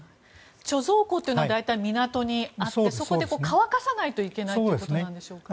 貯蔵は大体港にあってそこで乾かさないといけないということでしょうか。